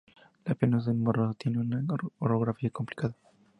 La península del Morrazo tiene una orografía complicada.